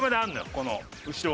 この後ろ。